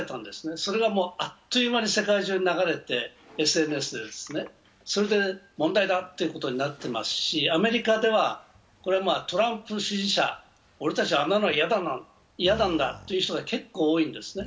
それがあっという間にＳＮＳで世界中に流れてそれで問題だということになっていますし、アメリカでは、トランプ支持者、俺たちあんなの嫌なんだという人が結構多いんですね。